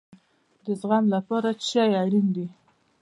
د زغم لپاره څه شی اړین دی؟